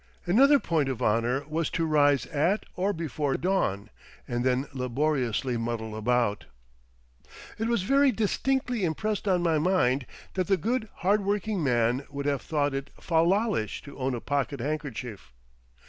Another point of honour was to rise at or before dawn, and then laboriously muddle about. It was very distinctly impressed on my mind that the Good Hard Working Man would have thought it "fal lallish" to own a pocket handkerchief.